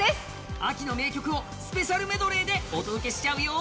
秋の名曲をスペシャルメドレーでお届けしちゃうよ。